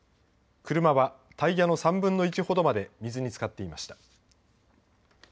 車はタイヤの３分の１ほどまで水につかっていました。